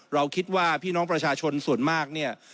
เราคิดว่าพี่น้องประชาชนส่วนมากเนี่ย